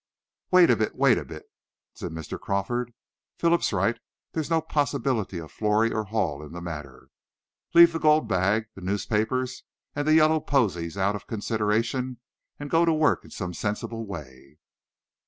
"Wait a bit, wait a bit," said Mr. Crawford. "Phil's right; there's no possibility of Florrie or Hall in the matter. Leave the gold bag, the newspapers, and the yellow posies out of consideration, and go to work in some sensible way."